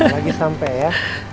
lagi sampai ya